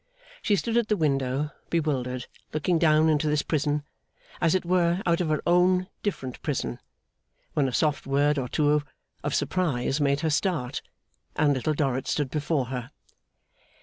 She stood at the window, bewildered, looking down into this prison as it were out of her own different prison, when a soft word or two of surprise made her start, and Little Dorrit stood before her.